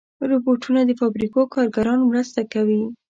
روبوټونه د فابریکو کارګران مرسته کوي.